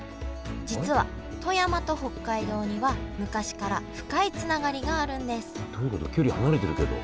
実は富山と北海道には昔から深いつながりがあるんですどういうこと？